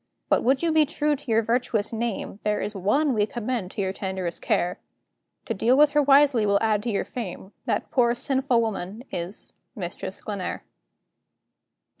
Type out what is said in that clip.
But would you be true to your virtuous name, There is one we commend to your tenderest care; To deal with her wisely will add to your fame: That poor sinful woman is Mistress Glenare.